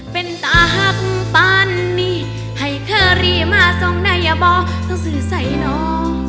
เป็นตาหักปานนี้ให้เธอรีมาส่องได้ยะบ่ต้องสื่อใส่เนาะ